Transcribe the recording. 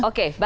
oke baik baik